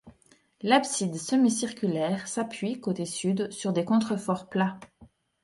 L'abside semi-circulaire s'appuie, côté sud, sur des contreforts plats.